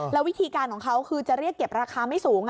แล้ววิธีการของเขาคือจะเรียกเก็บราคาไม่สูง